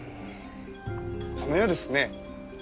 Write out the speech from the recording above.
そのようですね。